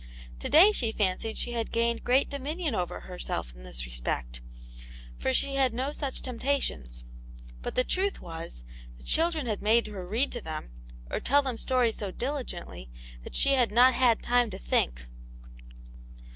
To day she fancied she had gained great dominion over herself in this respect, for she had no such temptations; but the truth was, the children had made her read to them, or tell them stories so dilii gently that she had not had time to think.